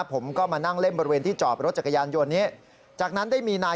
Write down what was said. บอกว่าวันเกิดเหตุ